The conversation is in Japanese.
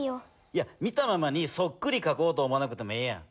いや見たままにそっくりかこうと思わなくてもええやん。